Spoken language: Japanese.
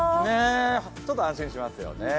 ちょっと安心しますよね。